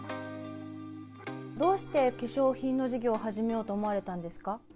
どうして化粧品の事業を始めようと思われたんですか。